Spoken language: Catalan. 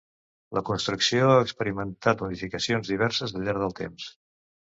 La construcció ha experimentat modificacions diverses al llarg del temps.